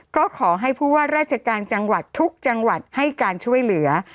ก็ขอให้ผู้ว่าราชการจังหวัดทุกจังหวัดให้การช่วยเหลือ